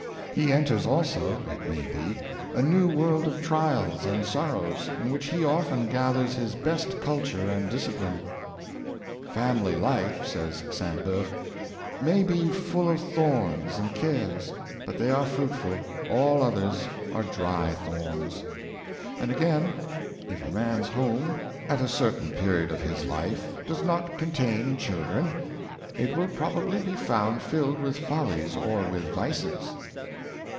He enters also, it may be, a new Mail ill the Home. 565 world of trials and sorrows , in which he often gathers his best culture and discipline. *' Family life," says Sainte Beuve, ^^ may be full of thorns and cares, but they are fruitful; all others are dry thorns.''' And again, ^' If a man's home, at a certain period of his life, does not contain children, it will probably be found filled with follies or with vices."